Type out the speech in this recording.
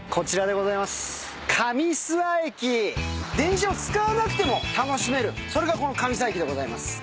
電車を使わなくても楽しめるそれがこの上諏訪駅でございます。